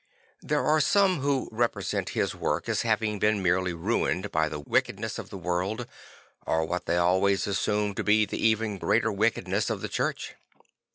There are some who represent his work as having been merely ruined by the wickedness of the world, or what they always assume to be the even greater wicked ness of the Church.